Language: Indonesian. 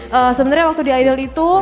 wah sebenernya waktu di idol itu